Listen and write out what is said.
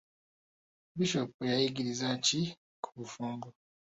Bishop yayigiriza ki ku bufumbo?